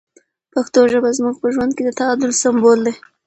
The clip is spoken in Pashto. پښتو ژبه زموږ په ژوند کې د تعادل سمبول دی.